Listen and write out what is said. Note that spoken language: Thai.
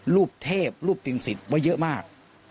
รูปเทพรูปติงสิทธิ์ว่าเยอะมาก